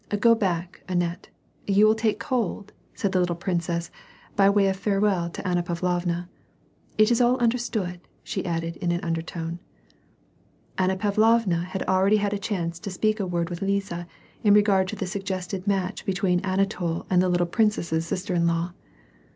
"Go back, Annette, you will take cold," said the little princess, by way of farewell to Anna Pavlovna. " It is all understood," she added, in an undertone. Anna Pavlovna had already had a chance to speak a woixl with Lisa in regard to the suggested match between Anatol and the little princess's sister in law.